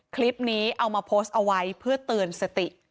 คลิปนี้เอามาโพสต์เอาไว้เพื่อเตือนสติ